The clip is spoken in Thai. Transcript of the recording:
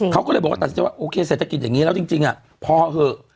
เขาก็เลยบอกว่าตัดสินใจว่าโอเคเศรษฐกิจอย่างนี้แล้วจริงพอเถอะ